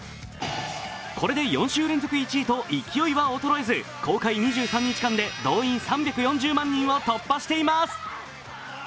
これで４週連続１位と勢いは衰えず、公開２３日間で動員３４０万人を突破しています。